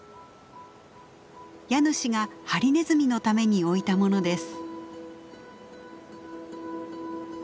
家主がハリネズミのために置いたものです。